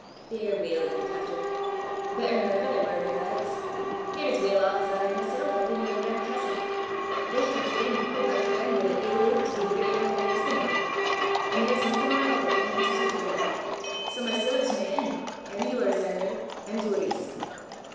"They're weel luikit efter better nor ever they war i' their lives; they're as weel aff as I am mysel' up i' yon gran' castel. They hae a freen' wha but for them wad ill hae lived to be the great man he is the noo; an' there's naething ower muckle for him to du for them; sae my siller 's my ain, an' yours, An'rew, an' Doory's!"